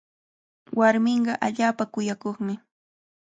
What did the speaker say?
Warminqa allaapa kuyakuqmi.